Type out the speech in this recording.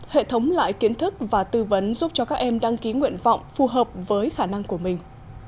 hệ thống lại kiến thức và tư vấn giúp cho các em đăng ký nguyện vọng phù hợp với khả năng của mình